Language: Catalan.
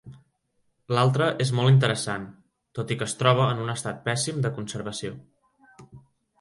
L'altra és molt interessant, tot i que es troba en un estat pèssim de conservació.